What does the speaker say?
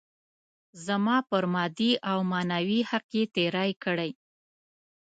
زما پر مادي او معنوي حق يې تېری کړی.